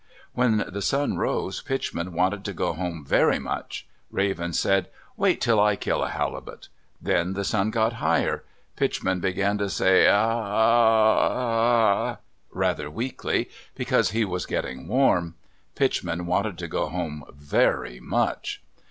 When the sun rose, Pitchman wanted to go home very much. Raven said, "Wait until I kill a halibut." Then the sun got higher. Pitchman began to say "A a a a a," rather weakly, because he was getting warm. Pitchman wanted to go home very much.